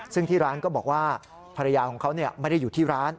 ซึ่งที่ร้านก็บอกว่าภรรยาของเขาไม่ได้อยู่ที่ร้าน